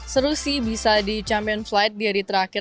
seru sih bisa di champion flight di hari terakhir